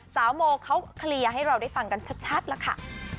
โมเขาเคลียร์ให้เราได้ฟังกันชัดแล้วค่ะ